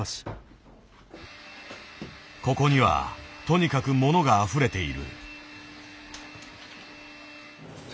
ここにはとにかくものがあふれている。